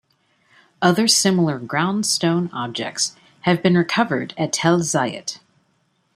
Other similar ground stone objects have been recovered at Tel Zayit.